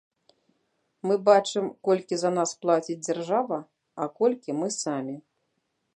Мы бачым, колькі за нас плаціць дзяржава, а колькі мы самі.